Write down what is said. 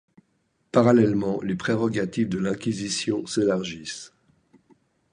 Parallèlement, les prérogatives de l'Inquisition s'élargissent.